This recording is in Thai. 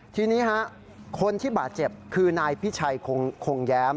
ทีนี้คนที่บาดเจ็บคือนายพิชัยคงแย้ม